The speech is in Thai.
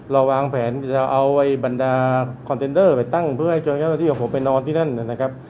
วางแผนจะเอาบรรดาคอนเทนเดอร์ไปตั้งเพื่อให้เจอเจ้าหน้าที่ของผมไปนอนที่นั่นนะครับ